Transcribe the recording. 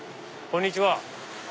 こんにちは。